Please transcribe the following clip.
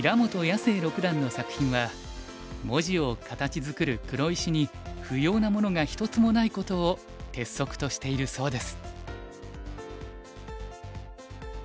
星六段の作品は文字を形作る黒石に不要なものが一つもないことを鉄則としているそうです。